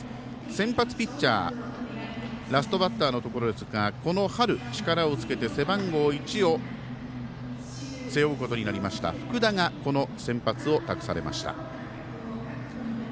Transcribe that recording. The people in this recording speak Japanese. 先発ピッチャーラストバッターのところですがこの春、力をつけて背番号１を背負うことになりました福田がこの先発を託されました。